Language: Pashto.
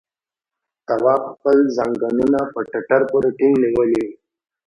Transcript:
تواب خپل ځنګنونه پر ټټر پورې ټينګ نيولي وو.